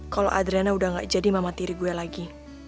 kalau adriana udah gak jadi mama tiri gue lagi